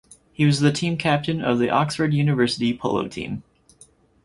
He was the team captain of the Oxford University polo team.